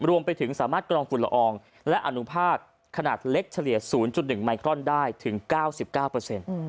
รวมไปถึงสามารถกรองฝุ่นละอองและอนุภาคขนาดเล็กเฉลี่ยศูนย์จุดหนึ่งไมครอนได้ถึงเก้าสิบเก้าเปอร์เซ็นต์อืม